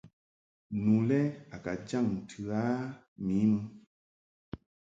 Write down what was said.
Nu le a ka jaŋ ntɨ a mi mɨ.